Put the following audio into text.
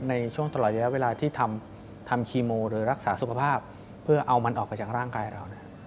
ในช่วงตลอดระยะเวลาที่ทำคีโมหรือรักษาสุขภาพเพื่อเอามันออกไปจากร่างกายเรา